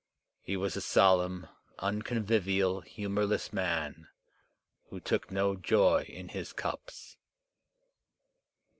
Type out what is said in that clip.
He was a solemn, unconvivial, humourless man, who took no joy in his cups.